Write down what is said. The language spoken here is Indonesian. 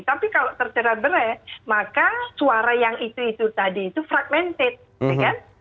tapi kalau tercerah berai maka suara yang itu itu tadi itu fragmented gitu kan